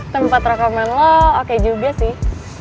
tempat rekaman lo oke juga sih